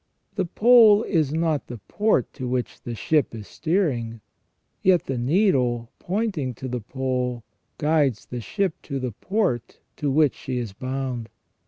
The pole is not the port to which the ship is steering. Yet the needle, pointing to the pole, guides the ship to the port to which she is bound.